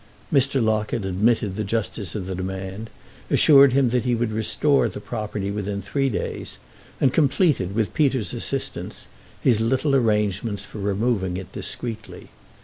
Mr. Locket admitted the justice of the demand, assured him he would restore the property within three days, and completed, with Peter's assistance, his little arrangements for removing it discreetly.